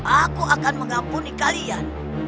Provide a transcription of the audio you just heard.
aku akan mengampuni kalian